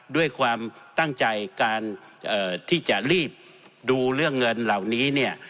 ด้วยความตั้งใจการที่จะรีบดูเรื่องเงินเหล่านี้เนี่ย